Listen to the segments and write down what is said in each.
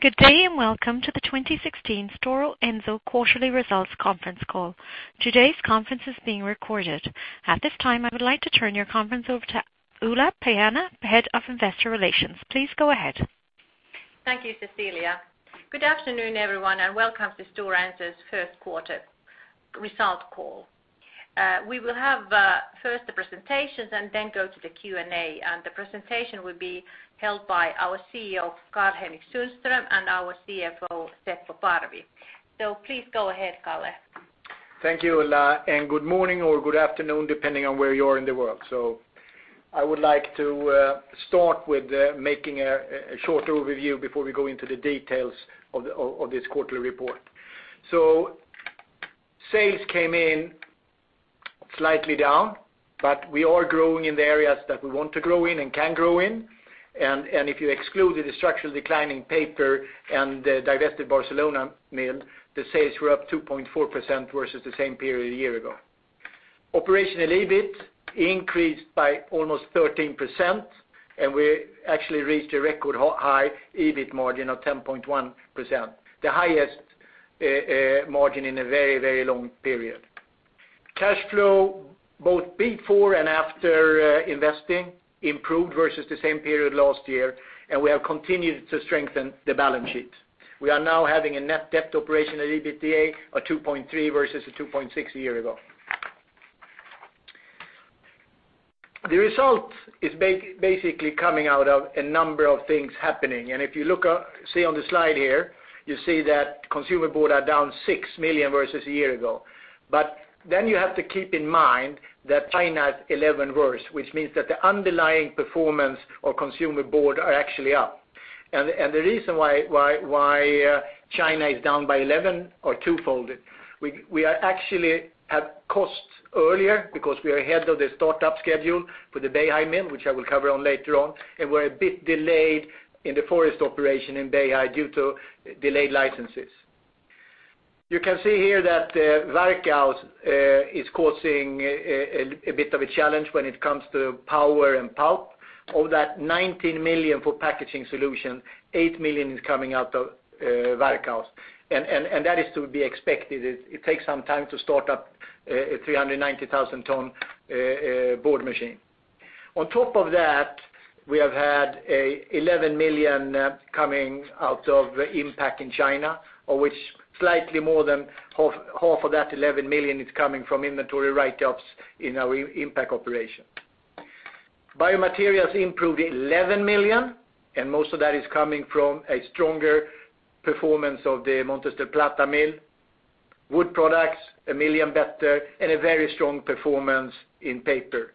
Good day. Welcome to the 2016 Stora Enso quarterly results conference call. Today's conference is being recorded. At this time, I would like to turn your conference over to Ulla Paajanen-Sainio, Head of Investor Relations. Please go ahead. Thank you, Cecilia. Good afternoon, everyone. Welcome to Stora Enso's first quarter result call. We will have first the presentations. Then go to the Q&A. The presentation will be held by our CEO, Karl-Henrik Sundström, and our CFO, Seppo Parvi. Please go ahead, Kalle. Thank you, Ulla. Good morning or good afternoon, depending on where you are in the world. I would like to start with making a short overview before we go into the details of this quarterly report. Sales came in slightly down. We are growing in the areas that we want to grow in and can grow in. If you exclude the structural decline in paper and divested Barcelona Mill, the sales were up 2.4% versus the same period a year ago. Operational EBIT increased by almost 13%. We actually reached a record high EBIT margin of 10.1%, the highest margin in a very long period. Cash flow, both before and after investing, improved versus the same period last year. We have continued to strengthen the balance sheet. We are now having a net debt to operational EBITDA of 2.3 versus a 2.6 a year ago. The result is basically coming out of a number of things happening. If you see on the slide here, you see that Consumer Board are down 6 million versus a year ago. You have to keep in mind that China is 11 worse, which means that the underlying performance of Consumer Board are actually up. The reason why China is down by 11 or twofold. We are actually at cost earlier because we are ahead of the startup schedule for the Beihai Mill, which I will cover on later on. We are a bit delayed in the forest operation in Beihai due to delayed licenses. You can see here that Varkaus is causing a bit of a challenge when it comes to power and pulp. Of that 19 million for Packaging Solutions, 8 million is coming out of Varkaus, and that is to be expected. It takes some time to start up a 390,000 ton board machine. On top of that, we have had 11 million coming out of Inpac in China, of which slightly more than half of that 11 million is coming from inventory write-offs in our Inpac operation. Biomaterials improved 11 million, and most of that is coming from a stronger performance of the Montes del Plata Mill. Wood Products, 1 million better, and a very strong performance in paper.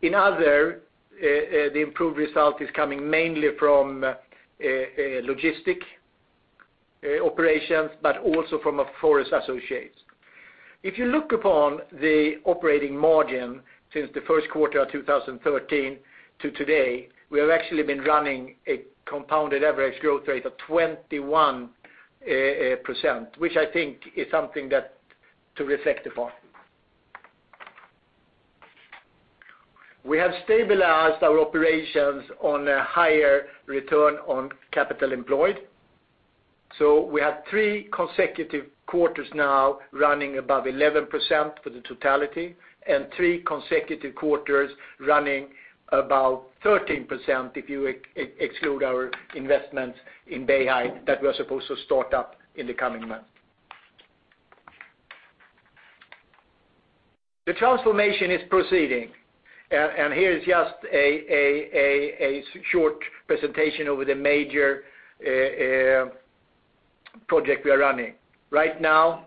In other, the improved result is coming mainly from logistic operations, but also from our forest associates. If you look upon the operating margin since the first quarter of 2013 to today, we have actually been running a compounded average growth rate of 21%, which I think is something to reflect upon. We have stabilized our operations on a higher return on capital employed. We have three consecutive quarters now running above 11% for the totality and three consecutive quarters running about 13% if you exclude our investments in Beihai that we are supposed to start up in the coming months. The transformation is proceeding, here is just a short presentation of the major project we are running. Right now,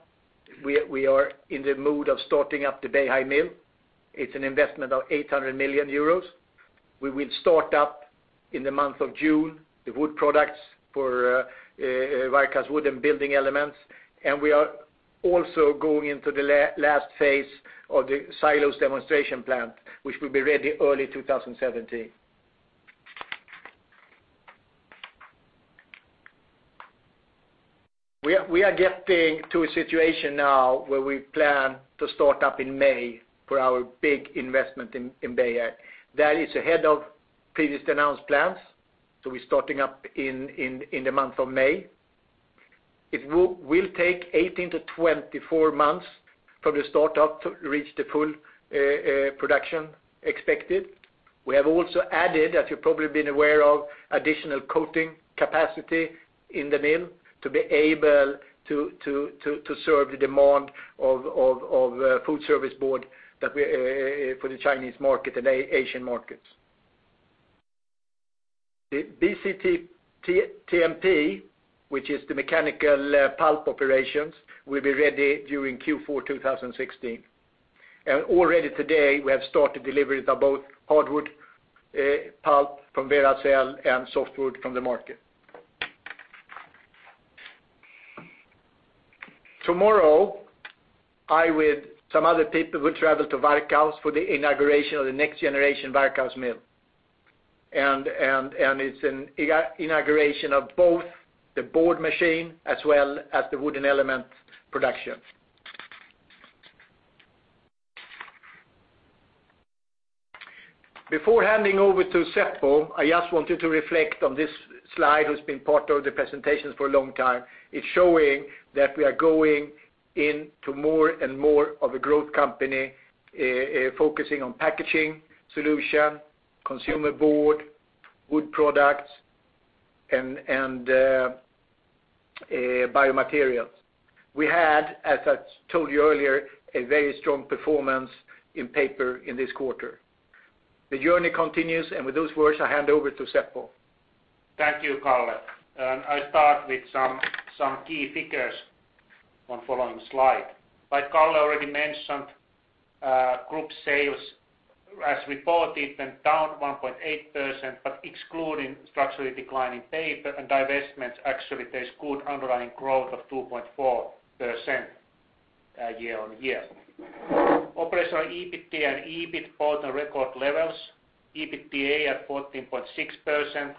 we are in the mood of starting up the Beihai Mill. It's an investment of 800 million euros. We will start up in the month of June, the Wood Products for Stora Enso Wood Products Varkaus, and we are also going into the last phase of the pilot demonstration plant, which will be ready early 2017. We are getting to a situation now where we plan to start up in May for our big investment in Beihai. That is ahead of previous announced plans, we're starting up in the month of May. It will take 18 to 24 months from the start up to reach the full production expected. We have also added, as you've probably been aware of, additional coating capacity in the Mill to be able to serve the demand of food service board for the Chinese market and Asian markets. The BCTMP, which is the mechanical pulp operations, will be ready during Q4 2016. Already today, we have started deliveries of both hardwood pulp from Veracel and softwood from the market. Tomorrow, I, with some other people, will travel to Varkaus for the inauguration of the next generation Varkaus Mill. It's an inauguration of both the board machine as well as the wooden element production. Before handing over to Seppo, I just wanted to reflect on this slide that's been part of the presentations for a long time. It's showing that we are going into more and more of a growth company, focusing on Packaging Solutions, Consumer Board, Wood Products, and Biomaterials. We had, as I told you earlier, a very strong performance in paper in this quarter. The journey continues, with those words, I hand over to Seppo. Thank you, Kalle. I start with some key figures on following slide. Like Kalle already mentioned, group sales as reported went down 1.8%, but excluding structurally declining paper and divestments, actually there's good underlying growth of 2.4% year-on-year. Operational EBITDA and EBIT both are record levels. EBITDA at 14.6%,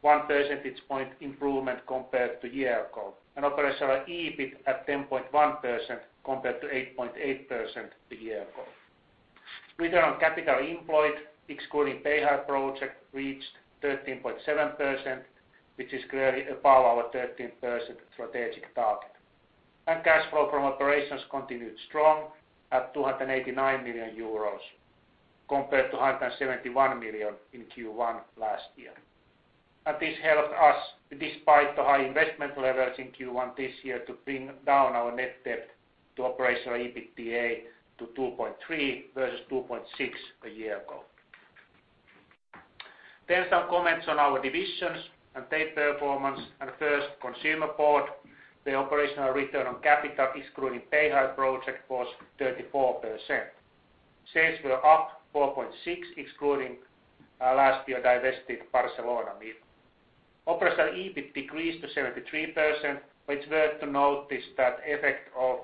one percentage point improvement compared to year ago. Operational EBIT at 10.1% compared to 8.8% a year ago. Return on capital employed, excluding Beihai project, reached 13.7%, which is clearly above our 13% strategic target. Cash flow from operations continued strong at 289 million euros compared to 171 million in Q1 last year. This helped us, despite the high investment levels in Q1 this year, to bring down our net debt to operational EBITDA to 2.3 versus 2.6 a year ago. Some comments on our divisions and their performance. First, Consumer Board. The operational return on capital excluding Beihai project was 34%. Sales were up 4.6%, excluding last year divested Barcelona Mill. Operational EBIT decreased to 73 million, but it's worth to notice that effect of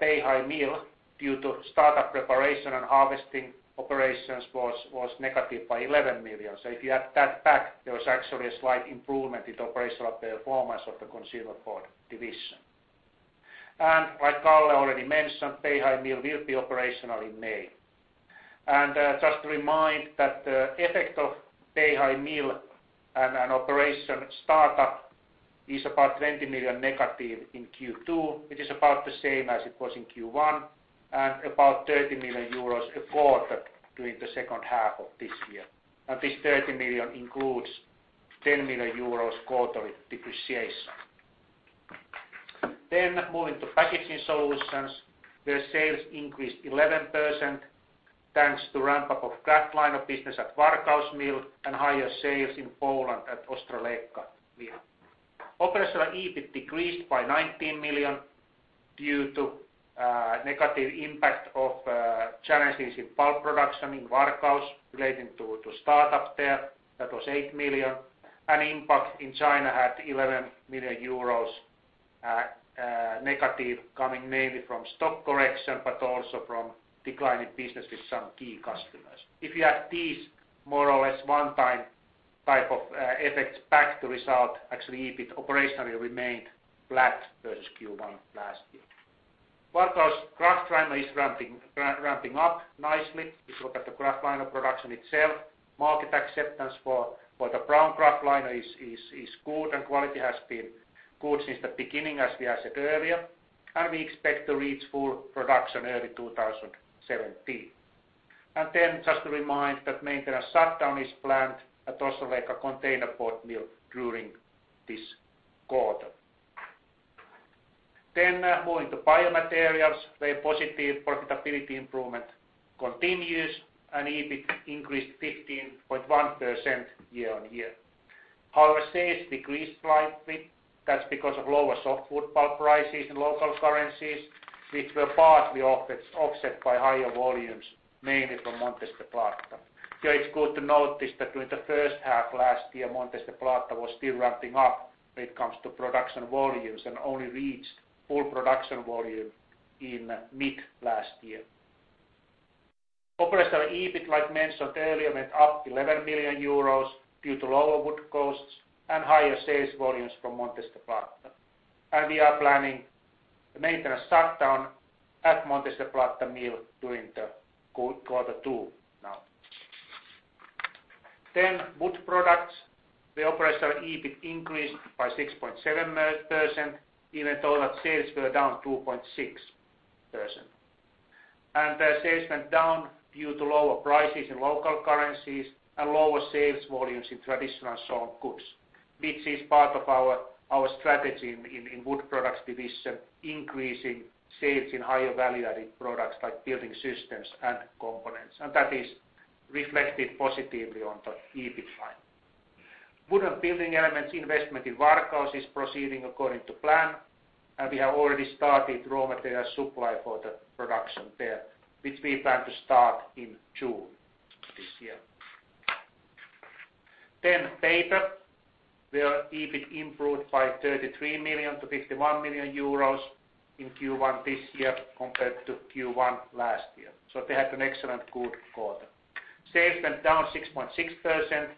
Beihai Mill due to startup preparation and harvesting operations was negative by 11 million. If you add that back, there was actually a slight improvement in operational performance of the Consumer Board division. Like Kalle already mentioned, Beihai Mill will be operational in May. Just to remind that the effect of Beihai Mill and an operation startup is about 20 million negative in Q2, which is about the same as it was in Q1, and about 30 million euros a quarter during the second half of this year. This 30 million includes 10 million euros quarterly depreciation. Moving to Packaging Solutions, their sales increased 11% thanks to ramp-up of kraftliner business at Varkaus Mill and higher sales in Poland at Ostrołęka Mill. Operational EBIT decreased by 19 million due to negative impact of challenges in pulp production in Varkaus relating to start up there. That was 8 million. Inpac in China had 11 million euros negative coming mainly from stock correction but also from decline in business with some key customers. If you add these more or less one-time type of effects back to result, actually EBIT operationally remained flat versus Q1 last year. Varkaus kraftliner is ramping up nicely if you look at the kraftliner production itself. Market acceptance for the brown kraftliner is good and quality has been good since the beginning as we has said earlier. We expect to reach full production early 2017. Just to remind that maintenance shutdown is planned at Ostrołęka Containerboard Mill during this quarter. Moving to Biomaterials, their positive profitability improvement continues and EBIT increased 15.1% year-on-year. However, sales decreased slightly. That's because of lower softwood pulp prices in local currencies, which were partly offset by higher volumes, mainly from Montes del Plata. It's good to notice that during the first half last year, Montes del Plata was still ramping up when it comes to production volumes and only reached full production volume in mid last year. Operational EBIT, like mentioned earlier, went up 11 million euros due to lower wood costs and higher sales volumes from Montes del Plata. We are planning the maintenance shutdown at Montes del Plata Mill during the quarter two now. Wood Products. The operational EBIT increased by 6.7% even though that sales were down 2.6%. Sales went down due to lower prices in local currencies and lower sales volumes in traditional sawn goods, which is part of our strategy in Wood Products division, increasing sales in higher value-added products like building systems and components. That is reflected positively on the EBIT line. Wooden building elements investment in Varkaus is proceeding according to plan. We have already started raw material supply for the production there, which we plan to start in June this year. Paper. Their EBIT improved by 33 million to 51 million euros in Q1 this year compared to Q1 last year. They had an excellent good quarter. Sales went down 6.6%.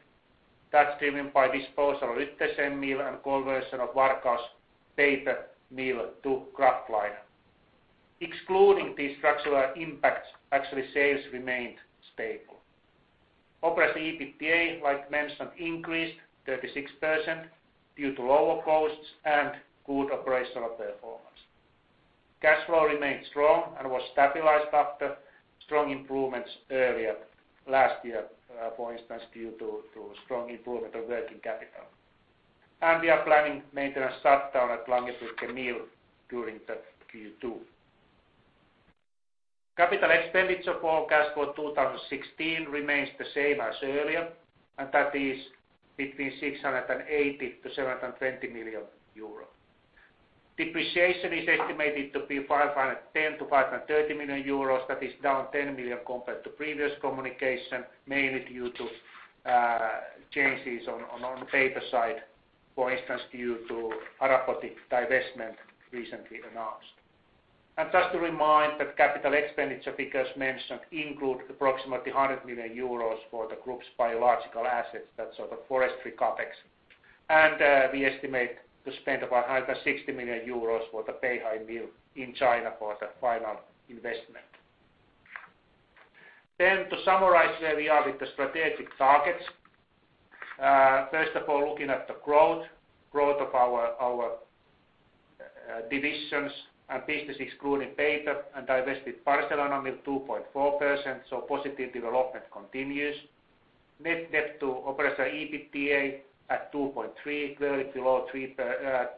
That's driven by disposal of Hyttösen Mill and conversion of Varkaus Mill to kraftliner. Excluding these structural impacts, actually sales remained stable. Operating EBITDA, like mentioned, increased 36% due to lower costs and good operational performance. Cash flow remained strong and was stabilized after strong improvements earlier last year, for instance, due to strong improvement of working capital. We are planning maintenance shutdown at Langerbrugge Mill during the Q2. Capital expenditure for cash flow 2016 remains the same as earlier, that is between 680 million to 720 million euro. Depreciation is estimated to be 510 million to 530 million euros. That is down 10 million compared to previous communication, mainly due to changes on the data side, for instance, due to Arapoti divestment recently announced. Just to remind that capital expenditure figures mentioned include approximately 100 million euros for the group's biological assets. That's the forestry CapEx. We estimate to spend about 160 million euros for the Beihai Mill in China for the final investment. To summarize where we are with the strategic targets. Looking at the growth of our divisions and business excluding paper and divested Barcelona Mill 2.4%, positive development continues. Net debt to operating EBITDA at 2.3, clearly below 3.0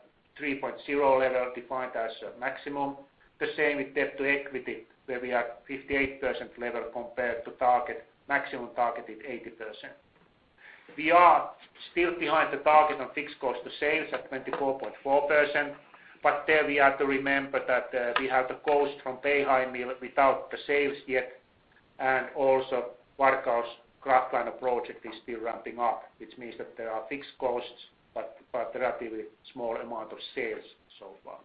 level defined as maximum. The same with debt to equity, where we are 58% level compared to maximum target is 80%. We are still behind the target on fixed cost to sales at 24.4%, there we have to remember that we have the cost from Beihai Mill without the sales yet, also Varkaus kraftliner project is still ramping up. There are fixed costs, relatively small amount of sales so far.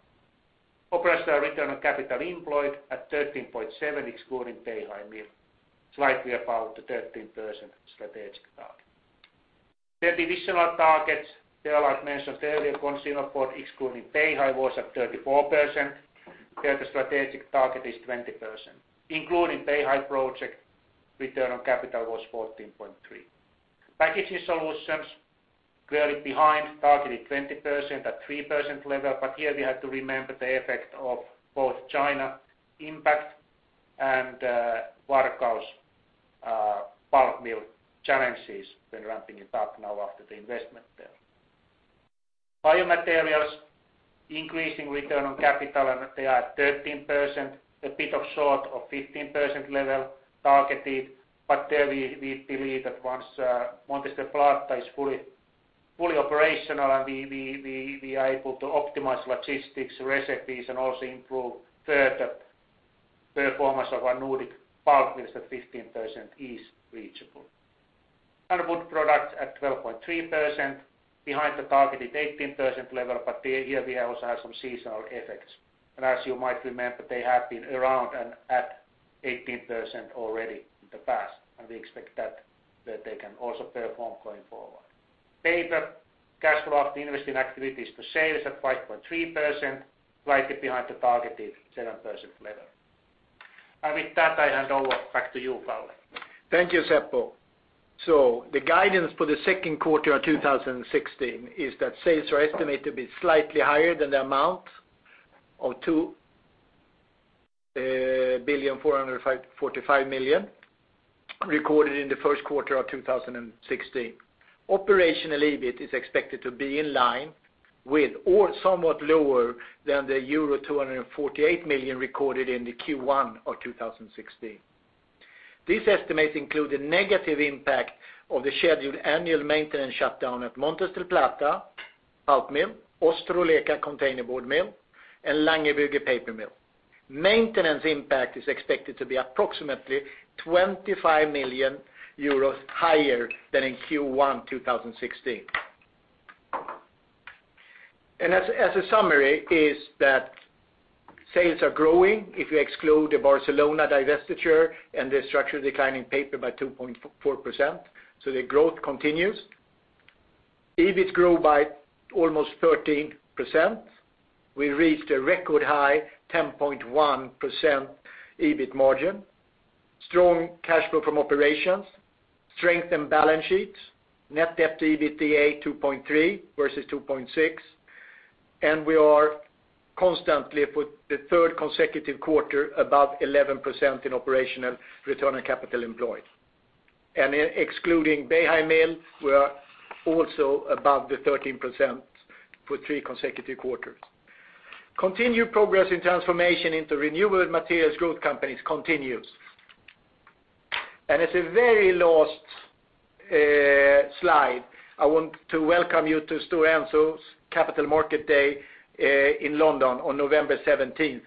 Operational return on capital employed at 13.7% excluding Beihai Mill, slightly above the 13% strategic target. Divisional targets, there like mentioned earlier, Consumer Board excluding Beihai was at 34%, where the strategic target is 20%. Including Beihai project, return on capital was 14.3%. Packaging Solutions clearly behind target is 20% at 3% level, here we have to remember the effect of both China Inpac and Varkaus pulp mill challenges when ramping it up now after the investment there. Biomaterials increasing return on capital, 13%, a bit of short of 15% level targeted, there we believe that once Montes del Plata is fully operational and we are able to optimize logistics, recipes, also improve further performance of our Nordic pulp mills that 15% is reachable. Wood Products at 12.3%, behind the targeted 18% level, here we also have some seasonal effects. As you might remember, they have been around at 18% already in the past, we expect that they can also perform going forward. Paper cash flow from investing activities to sales at 5.3%, slightly behind the targeted 7% level. With that, I hand over back to you, Kalle. Thank you, Seppo. The guidance for the second quarter of 2016 is that sales are estimated to be slightly higher than the amount of 2,445,000,000 recorded in the first quarter of 2016. Operational EBIT is expected to be in line with or somewhat lower than the euro 248 million recorded in the Q1 of 2016. These estimates include a negative impact of the scheduled annual maintenance shutdown at Montes del Plata pulp mill, Ostrołęka containerboard mill, and Langerbrugge paper mill. Maintenance impact is expected to be approximately 25 million euros higher than in Q1 2016. As a summary is that sales are growing if you exclude the Barcelona divestiture and the structural decline in paper by 2.4%. The growth continues. EBIT grow by almost 13%. We reached a record high 10.1% EBIT margin. Strong cash flow from operations. Strengthened balance sheets. Net debt to EBITDA 2.3 versus 2.6. We are constantly, for the third consecutive quarter, above 11% in operational return on capital employed. Excluding Beihai Mill, we are also above the 13% for three consecutive quarters. Continued progress in transformation into renewable materials growth companies continues. As a very last slide, I want to welcome you to Stora Enso's Capital Market Day in London on November 17th.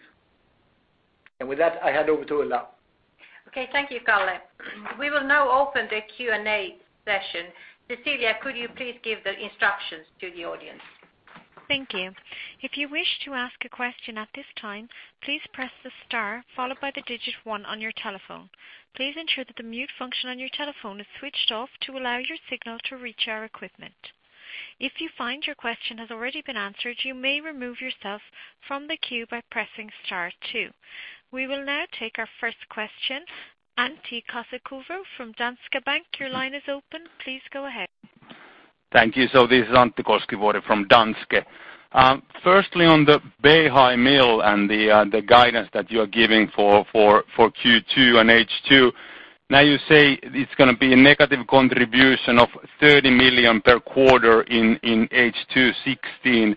With that, I hand over to Ulla. Okay. Thank you, Kalle. We will now open the Q&A session. Cecilia, could you please give the instructions to the audience? Thank you. If you wish to ask a question at this time, please press the star followed by the digit 1 on your telephone. Please ensure that the mute function on your telephone is switched off to allow your signal to reach our equipment. If you find your question has already been answered, you may remove yourself from the queue by pressing star 2. We will now take our first question. Antti Koskivuori from Danske Bank, your line is open. Please go ahead. Thank you. This is Antti Koskivuori from Danske. Firstly, on the Beihai Mill and the guidance that you're giving for Q2 and H2. You say it's going to be a negative contribution of 30 million per quarter in H2 2016.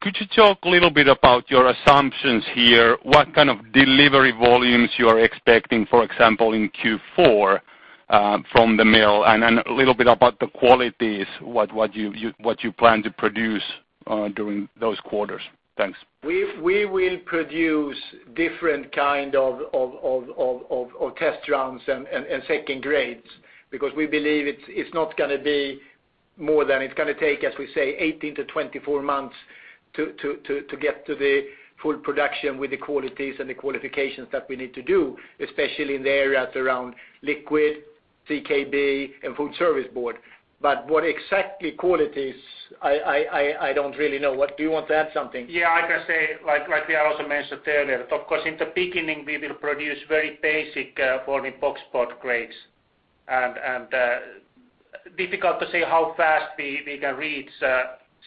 Could you talk a little bit about your assumptions here, what kind of delivery volumes you are expecting, for example, in Q4 from the mill, and then a little bit about the qualities, what you plan to produce during those quarters? Thanks. We will produce different kind of test runs and second grades because we believe it's not going to be more than it's going to take, as we say, 18-24 months to get to the full production with the qualities and the qualifications that we need to do, especially in the areas around liquid, TKB, and food service board. What exactly qualities, I don't really know. Do you want to add something? I can say, we also mentioned earlier, of course in the beginning we will produce very basic folding boxboard grades. Difficult to say how fast we can reach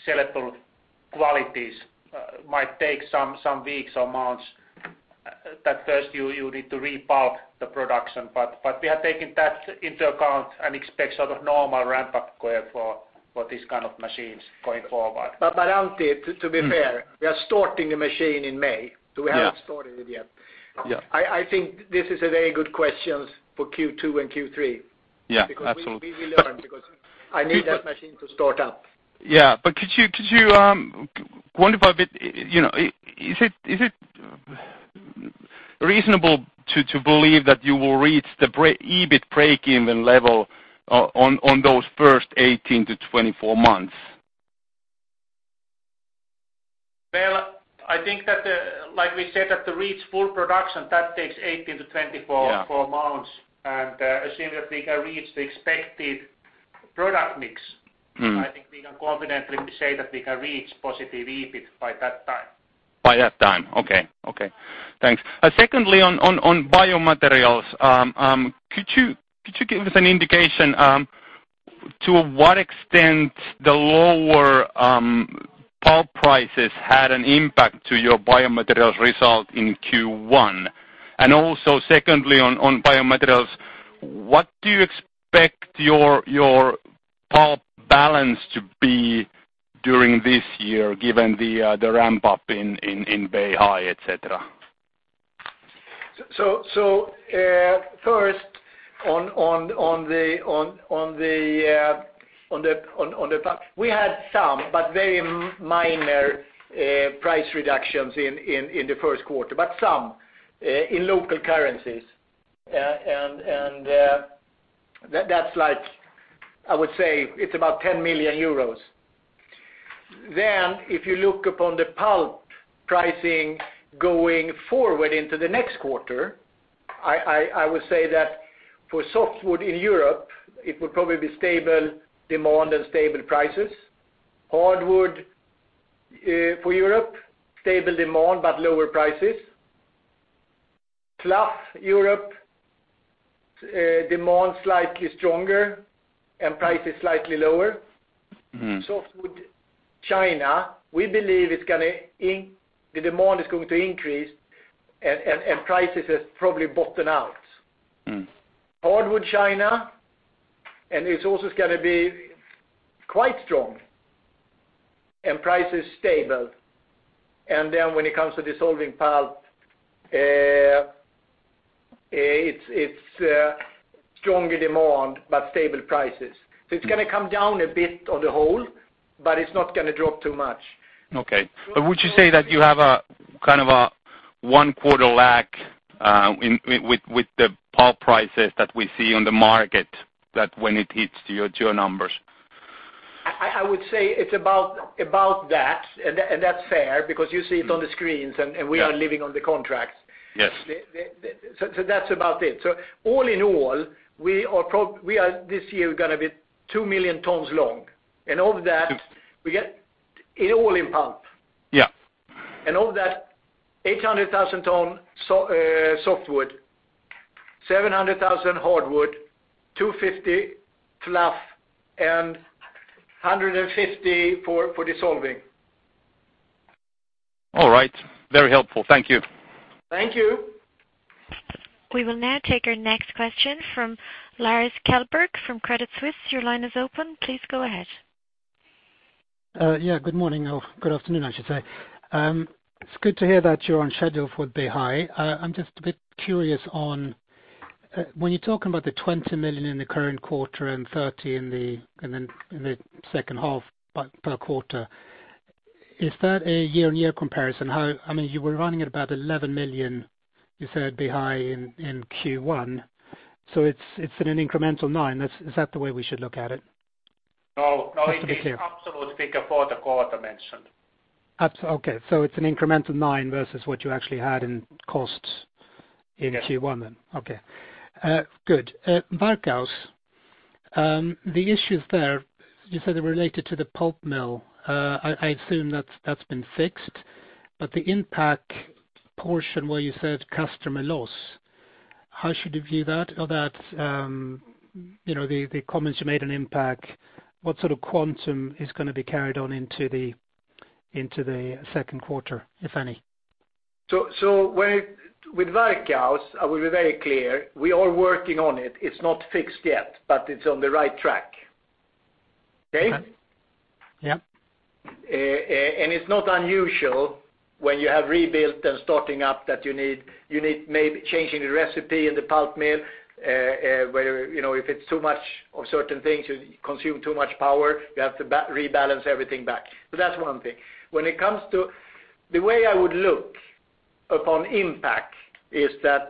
sellable qualities. Might take some weeks or months that first you need to ramp up the production. We have taken that into account and expect sort of normal ramp-up for these kind of machines going forward. Antti, to be fair, we are starting the machine in May. Yeah. We haven't started it yet. Yeah. I think this is a very good questions for Q2 and Q3. Yeah, absolutely. We will learn because I need that machine to start up. Yeah, could you quantify a bit? Is it reasonable to believe that you will reach the EBIT break-even level on those first 18-24 months? Well, I think that, like we said, that to reach full production, that takes 18-24 months. Yeah. assume that we can reach the expected product mix- I think we can confidently say that we can reach positive EBIT by that time. By that time, okay. Thanks. Secondly, on Biomaterials, could you give us an indication to what extent the lower pulp prices had an impact to your Biomaterials result in Q1? Also secondly, on Biomaterials, what do you expect your pulp balance to be during this year given the ramp-up in Beihai, et cetera? First, on the pulp, we had some but very minor price reductions in the first quarter, but some in local currencies. That's, I would say it's about 10 million euros. If you look upon the pulp pricing going forward into the next quarter, I would say that for softwood in Europe, it would probably be stable demand and stable prices. Hardwood for Europe, stable demand but lower prices. Fluff, Europe, demand slightly stronger and prices slightly lower. Softwood, China, we believe the demand is going to increase prices have probably bottomed out. Hardwood, China, it's also going to be quite strong, and prices stable. When it comes to dissolving pulp, it's stronger demand but stable prices. It's going to come down a bit on the whole, but it's not going to drop too much. Okay. Would you say that you have a kind of a one quarter lag with the pulp prices that we see on the market, that when it hits your numbers? I would say it's about that, and that's fair because you see it on the screens and we are living on the contracts. Yes. That's about it. All in all, we are this year going to be 2 million tons long. Of that, we get it all in pulp. Yeah. Of that, 800,000 ton softwood, 700,000 hardwood, 250 fluff, and 150 for dissolving. All right. Very helpful. Thank you. Thank you. We will now take our next question from Lars Kjellberg from Credit Suisse. Your line is open. Please go ahead. Good morning, or good afternoon, I should say. It's good to hear that you're on schedule for Beihai. I'm just a bit curious on when you're talking about the 20 million in the current quarter and 30 million in the second half per quarter, is that a year-on-year comparison? I mean, you were running at about 11 million You said Beihai in Q1. It's an incremental nine. Is that the way we should look at it? No, it is absolute figure for the quarter mentioned. Okay. It's an incremental nine versus what you actually had in costs in Q1 then. Yes. Okay. Good. Varkaus, the issues there, you said they're related to the pulp mill. I assume that's been fixed. The Inpac portion where you said customer loss, how should we view that? That the comments you made on Inpac, what sort of quantum is going to be carried on into the second quarter, if any? With Varkaus, I will be very clear, we are working on it. It's not fixed yet, but it's on the right track. Okay? Yeah. It's not unusual when you have rebuilt and starting up that you need maybe changing the recipe in the pulp mill, where if it's too much of certain things, you consume too much power, you have to rebalance everything back. That's one thing. The way I would look upon Inpac is that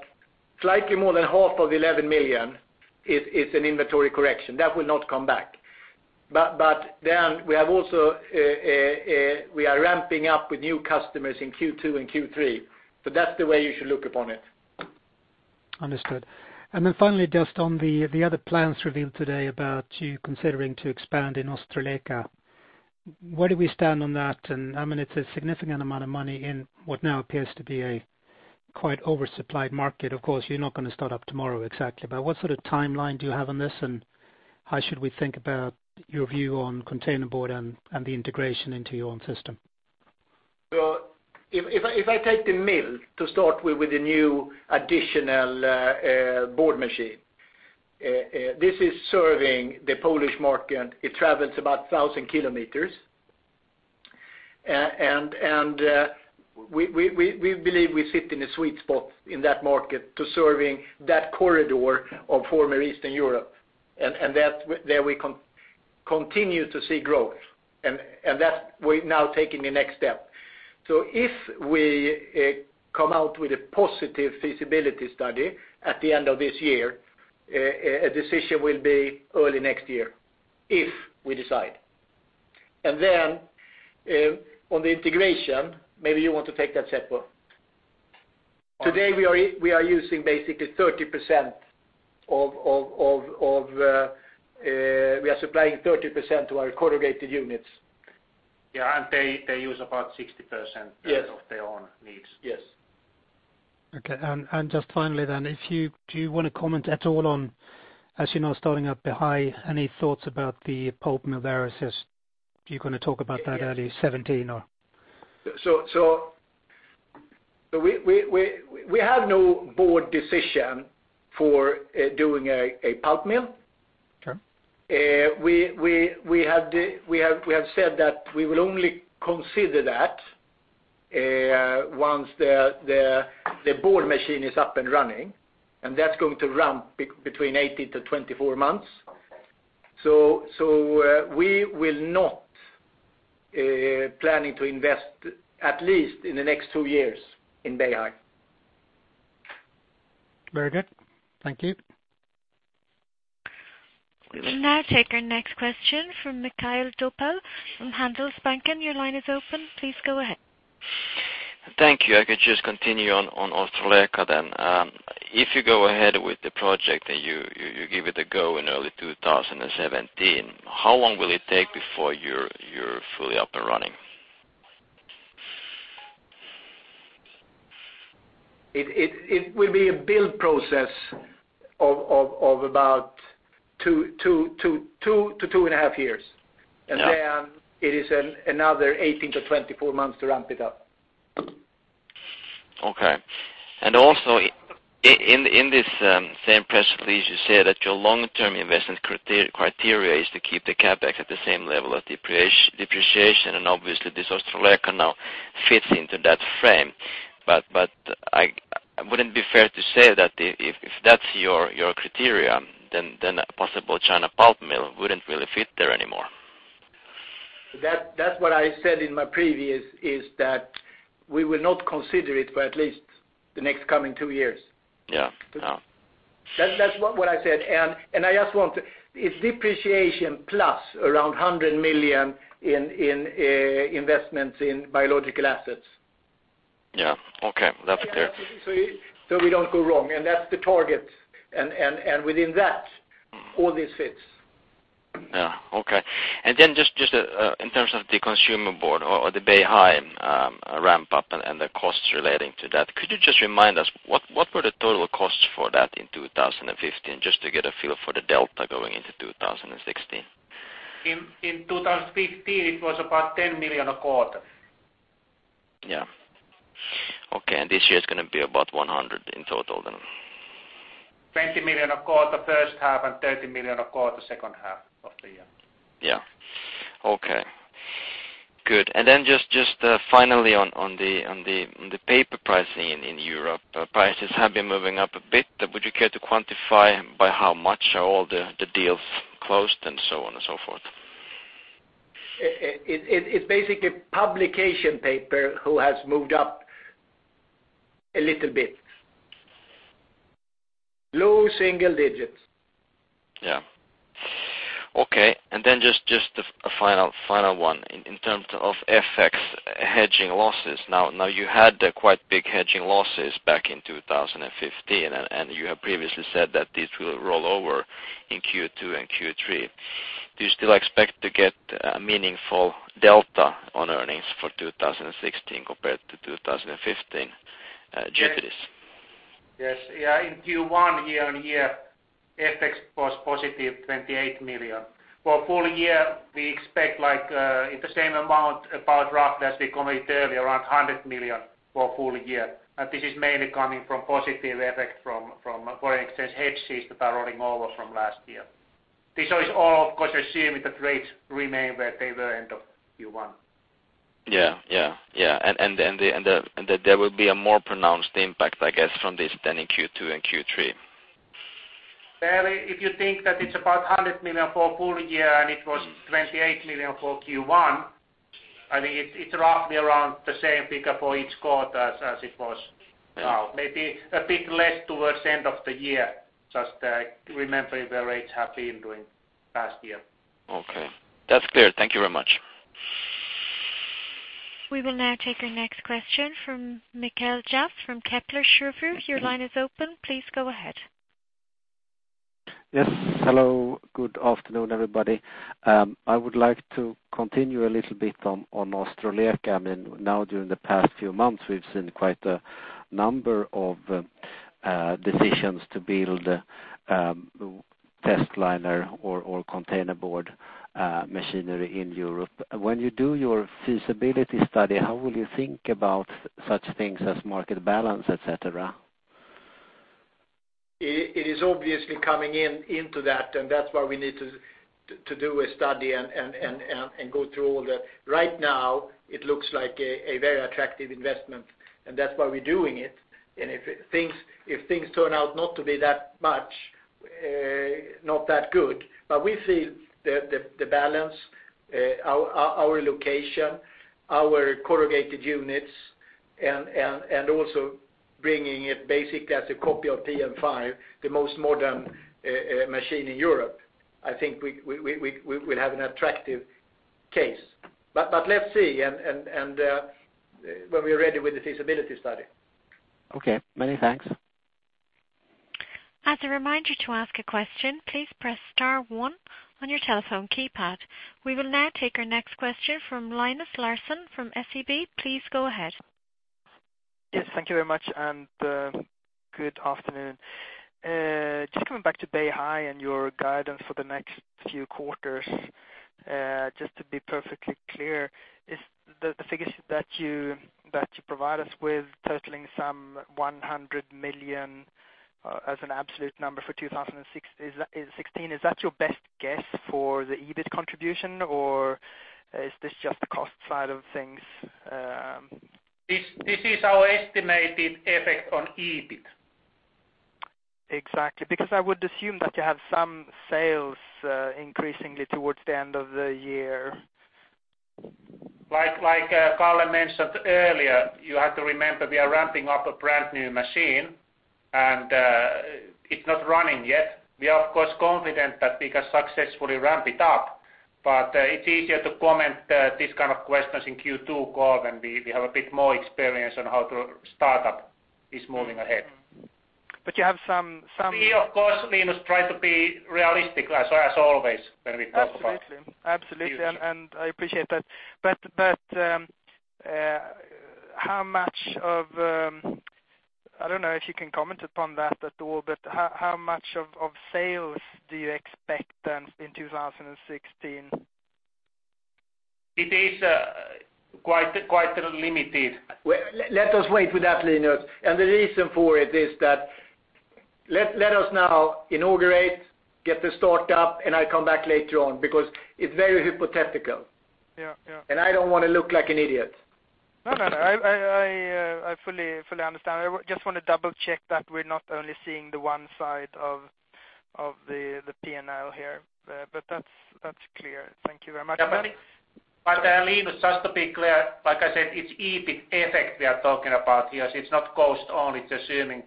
slightly more than half of 11 million is an inventory correction, that will not come back. We are ramping up with new customers in Q2 and Q3. That's the way you should look upon it. Understood. Finally, just on the other plans revealed today about you considering to expand in Ostrołęka. Where do we stand on that? It's a significant amount of money in what now appears to be a quite oversupplied market. Of course, you're not going to start up tomorrow exactly. What sort of timeline do you have on this, and how should we think about your view on containerboard and the integration into your own system? If I take the mill to start with the new additional board machine. This is serving the Polish market. It travels about 1,000 kilometers. We believe we sit in a sweet spot in that market to serving that corridor of former Eastern Europe. There we continue to see growth. That we're now taking the next step. If we come out with a positive feasibility study at the end of this year, a decision will be early next year, if we decide. On the integration, maybe you want to take that, Seppo. Today we are supplying 30% to our corrugated units. Yeah, they use about 60% of their own needs. Yes. Okay, just finally then, do you want to comment at all on, as you know, starting up Beihai, any thoughts about the pulp mill there? Is you going to talk about that early 2017 or? We have no board decision for doing a pulp mill. Okay. We have said that we will only consider that once the board machine is up and running, and that's going to ramp between 18 to 24 months. We will not planning to invest at least in the next two years in Beihai. Very good. Thank you. We will now take our next question from Mikael Doepel from Handelsbanken. Your line is open. Please go ahead. Thank you. I could just continue on Ostrołęka then. If you go ahead with the project, and you give it a go in early 2017, how long will it take before you're fully up and running? It will be a build process of about two to two and a half years. Yeah. It is another 18 to 24 months to ramp it up. Okay. Also, in this same press release, you say that your long-term investment criteria is to keep the CapEx at the same level of depreciation. Obviously this Ostrołęka now fits into that frame. Wouldn't it be fair to say that if that's your criteria, then a possible China pulp mill wouldn't really fit there anymore? That's what I said in my previous, is that we will not consider it for at least the next coming two years. Yeah. That's what I said. I just want to, it's depreciation plus around 100 million in investments in biological assets. Yeah. Okay. That's clear. We don't go wrong, and that's the target. Within that, all this fits. Yeah. Okay. Just in terms of the Consumer Board or the Beihai ramp up and the costs relating to that, could you just remind us what were the total costs for that in 2015, just to get a feel for the delta going into 2016? In 2015, it was about 10 million a quarter. Yeah. Okay. This year it's going to be about 100 in total then? 20 million a quarter first half and 30 million a quarter second half of the year. Yeah. Okay. Good. Then just finally on the paper pricing in Europe, prices have been moving up a bit. Would you care to quantify by how much are all the deals closed and so on and so forth? It's basically publication paper who has moved up a little bit. Low single digits. Yeah. Okay, just a final one. In terms of FX hedging losses. You had quite big hedging losses back in 2015, and you have previously said that this will roll over in Q2 and Q3. Do you still expect to get a meaningful delta on earnings for 2016 compared to 2015 due to this? Yes. In Q1 year-on-year, FX was positive 28 million. For full year, we expect it's the same amount, about roughly as we committed early, around 100 million for full year. This is mainly coming from positive effect from foreign exchange hedges that are rolling over from last year. This is all, of course, assuming that rates remain where they were end of Q1. Yeah. That there will be a more pronounced impact, I guess, from this then in Q2 and Q3. If you think that it's about 100 million for a full year, and it was 28 million for Q1, I think it's roughly around the same figure for each quarter as it was. Maybe a bit less towards the end of the year, just remembering where rates have been during the past year. Okay. That's clear. Thank you very much. We will now take our next question from Mikael Jafs from Kepler Cheuvreux. Your line is open. Please go ahead. Yes, hello. Good afternoon, everybody. I would like to continue a little bit on Ostrołęka. Now, during the past few months, we've seen quite a number of decisions to build testliner or containerboard machinery in Europe. When you do your feasibility study, how will you think about such things as market balance, et cetera? It is obviously coming into that, and that's why we need to do a study and go through all that. Right now it looks like a very attractive investment, and that's why we're doing it. If things turn out not to be that good, but we see the balance, our location, our corrugated units, and also bringing it basically as a copy of PM5, the most modern machine in Europe. I think we'll have an attractive case. Let's see when we're ready with the feasibility study. Okay, many thanks. As a reminder to ask a question, please press star one on your telephone keypad. We will now take our next question from Linus Larsson from SEB. Please go ahead. Yes, thank you very much. Good afternoon. Just coming back to Beihai and your guidance for the next few quarters. Just to be perfectly clear, the figures that you provide us with totaling some 100 million as an absolute number for 2016, is that your best guess for the EBIT contribution, or is this just the cost side of things? This is our estimated effect on EBIT. Exactly. I would assume that you have some sales increasingly towards the end of the year. Like Kalle mentioned earlier, you have to remember we are ramping up a brand-new machine, and it's not running yet. We are, of course, confident that we can successfully ramp it up, but it's easier to comment this kind of questions in Q2 call when we have a bit more experience on how the startup is moving ahead. You have some- We, of course, Linus, try to be realistic as always when we talk about the future. Absolutely, I appreciate that. I don't know if you can comment upon that at all, how much of sales do you expect then in 2016? It is quite limited. Let us wait with that, Linus. The reason for it is that let us now inaugurate, get this start up, I come back later on because it's very hypothetical. Yeah. I don't want to look like an idiot. I fully understand. I just want to double-check that we're not only seeing the one side of the P&L here, that's clear. Thank you very much. Linus, just to be clear, like I said, it's EBIT effect we are talking about here. It's not cost only. It's assuming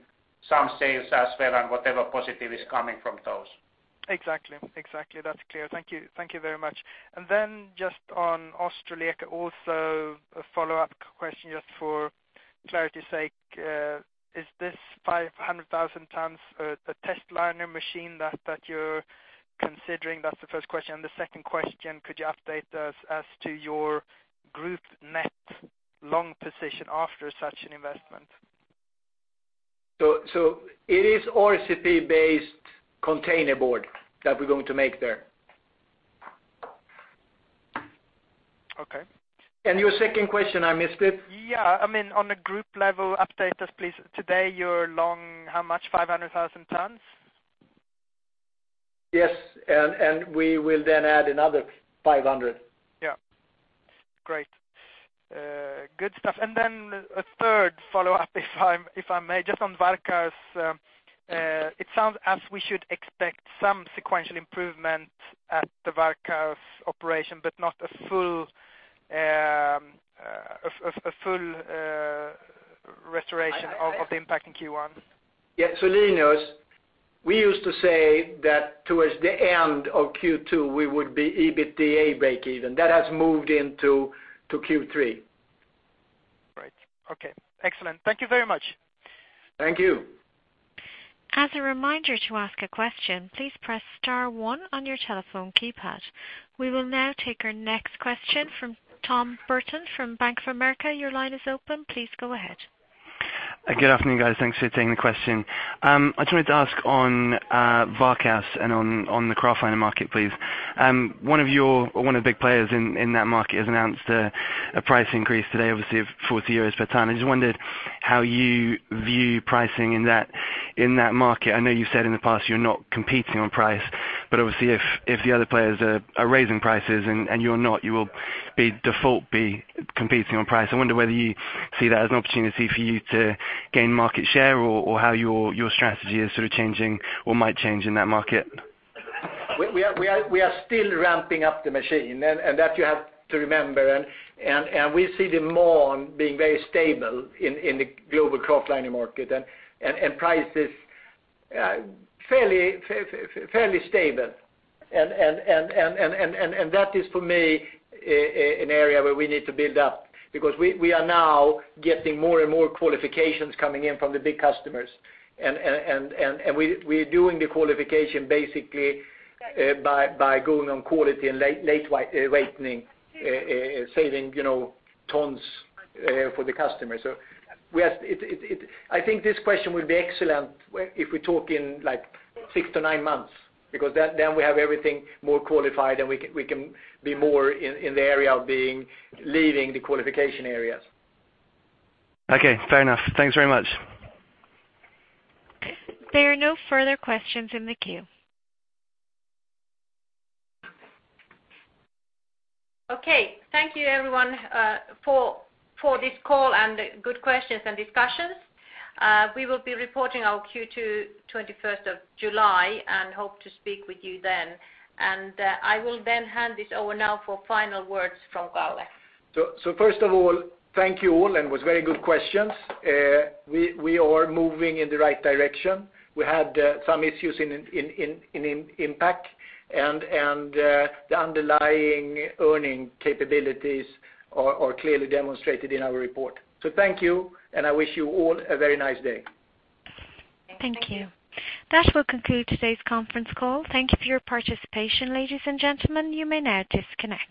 some sales as well and whatever positive is coming from those. Exactly. That's clear. Thank you very much. Just on Ostrołęka, also a follow-up question just for clarity's sake. Is this 500,000 tons a testliner machine that you're considering? That's the first question. The second question, could you update us as to your group net long position after such an investment? It is RCP-based containerboard that we're going to make there. Okay. Your second question, I missed it. Yeah. On a group level, update us, please. Today you're long how much? 500,000 tons? Yes. We will then add another 500. Yeah. Great. Good stuff. Then a third follow-up, if I may, just on Varkaus. It sounds as we should expect some sequential improvement at the Varkaus operation, but not a full restoration of the Inpac in Q1. Yeah. Linus, we used to say that towards the end of Q2, we would be EBITDA breakeven. That has moved into Q3. Right. Okay. Excellent. Thank you very much. Thank you. As a reminder to ask a question, please press star one on your telephone keypad. We will now take our next question from Tom Burton from Bank of America. Your line is open. Please go ahead. Good afternoon, guys. Thanks for taking the question. I just wanted to ask on Varkaus and on the kraftliner market, please. One of the big players in that market has announced a price increase today, obviously of 40 euros per ton. I just wondered how you view pricing in that market. I know you said in the past you're not competing on price, but obviously if the other players are raising prices and you're not, you will default be competing on price. I wonder whether you see that as an opportunity for you to gain market share, or how your strategy is changing or might change in that market? We are still ramping up the machine, that you have to remember. We see the